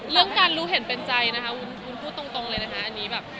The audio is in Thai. เรื่องการรู้เห็นเป็นใจนะคะวุ้นพูดตรงเลยนะคะอันนี้แบบ